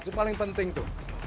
itu paling penting tuh